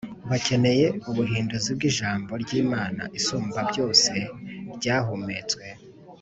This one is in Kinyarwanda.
bakeneye ubuhinduzi bw Ijambo ry Imana Isumbabyose ryahumetswe